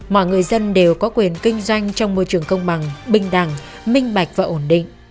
mọi người dân đều có quyền kinh doanh trong môi trường công bằng bình đẳng minh bạch và ổn định